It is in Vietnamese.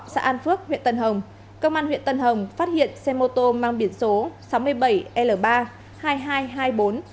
xã an phước huyện tân hồng công an huyện tân hồng phát hiện xe mô tô mang biển số sáu mươi bảy l ba hai nghìn hai trăm hai mươi bốn